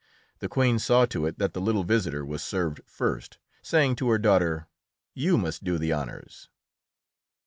The Queen saw to it that the little visitor was served first, saying to her daughter, "You must do the honours."